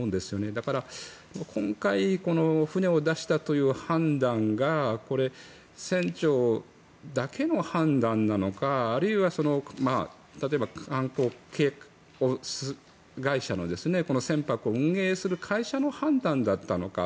だから今回、船を出したという判断が船長だけの判断なのかあるいは例えば、観光会社の船舶を運営する会社の判断だったのか。